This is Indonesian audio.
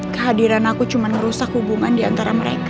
kehadiran aku cuma merusak hubungan diantara mereka